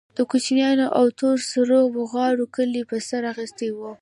د کوچنيانو او تور سرو بوغارو کلى په سر اخيستى و.